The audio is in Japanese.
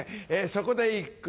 そこで一句。